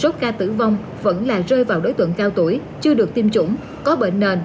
tỷ lệ tử vong vẫn là rơi vào đối tượng cao tuổi chưa được tiêm chủng có bệnh nền